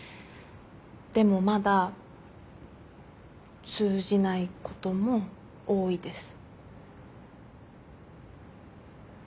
でもまだ通じないことも多いです。